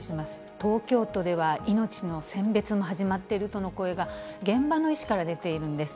東京都では、命の選別も始まっているとの声が、現場の医師から出ているんです。